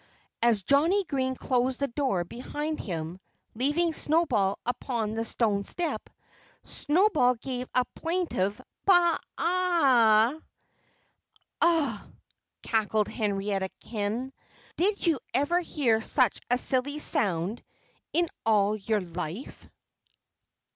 As Johnnie Green closed the door behind him, leaving Snowball upon the stone step, Snowball gave a plaintive baa a a! "Ugh!" cackled Henrietta Hen. "Did you ever hear such a silly sound in all your life?"